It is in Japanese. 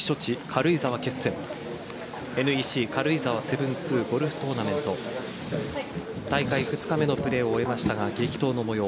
ＮＥＣ軽井沢７２ゴルフトーナメント大会２日目のプレーを終えましたが、激闘の模様